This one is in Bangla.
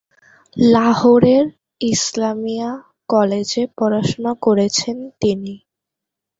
লাহোরের ইসলামিয়া কলেজে পড়াশোনা করেছেন তিনি।